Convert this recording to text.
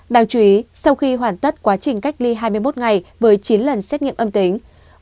đáng chú ý sau khi hoàn tất quá trình cách ly hai mươi một ngày với chín lần xét nghiệm âm tính